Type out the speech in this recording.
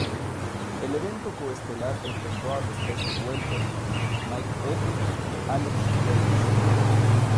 El evento coestelar enfrentó a los pesos welter Mike Perry y Alex Reyes.